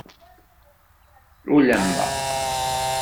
Ulamma.